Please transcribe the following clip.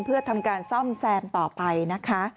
เพื่อทำการซ่อมแซมต่อไปนะคะ